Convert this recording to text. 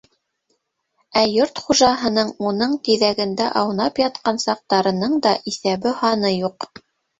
Ә йорт хужаһының уның тиҙәгендә аунап ятҡан саҡтарының да иҫәбе-һаны юҡ.